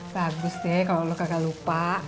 bagus deh kalau lo kagak lupa